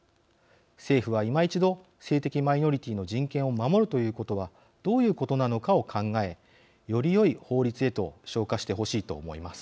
政府はいま一度性的マイノリティーの人権を守るということはどういうことなのかを考えよりよい法律へと昇華してほしいと思います。